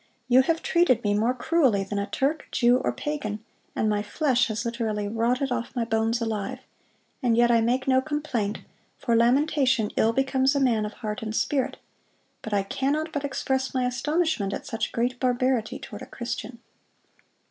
You have treated me more cruelly than a Turk, Jew, or pagan, and my flesh has literally rotted off my bones alive; and yet I make no complaint, for lamentation ill becomes a man of heart and spirit; but I cannot but express my astonishment at such great barbarity toward a Christian."